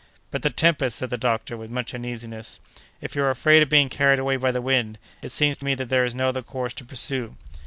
"But the tempest!" said the doctor, with much uneasiness. "If you are afraid of being carried away by the wind, it seems to me that there is no other course to pursue."